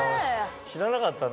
知らなかったね。